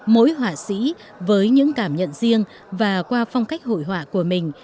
mỗi họa sĩ với những cảm nhận riêng và qua phong cách hội họa của mình